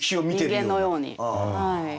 人間のように。